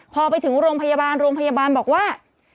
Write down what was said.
พอไปถึงโรงพยาบาลโรงพยาบาลบอกว่า